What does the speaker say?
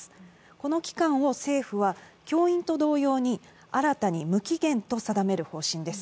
この期間を政府は教員と同様に新たに無期限と定める方針です。